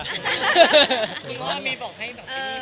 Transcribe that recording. คุณพ่อมีบอกให้น้องตีนี่ไหม